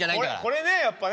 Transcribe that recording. これねやっぱね。